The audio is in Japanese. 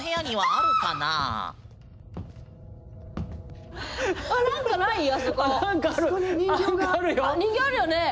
あ人形あるよね？